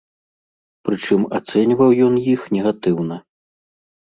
Прычым ацэньваў ён іх негатыўна.